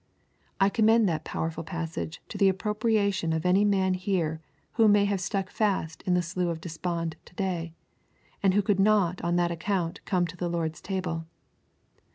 I commend that powerful passage to the appropriation of any man here who may have stuck fast in the Slough of Despond to day, and who could not on that account come to the Lord's Table.